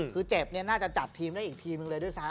คือเจ็บน่าจะจัดทีมได้อีกทีมเลยด้วยซ้ำ